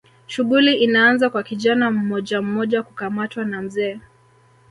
Shughuli inaanza kwa kijana mmojammoja kukamatwa na mzee